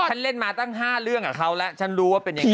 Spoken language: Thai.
ฉันเล่นมาตั้ง๕เรื่องกับเขาแล้วฉันรู้ว่าเป็นยังไง